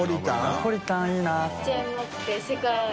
ナポリタンいいな。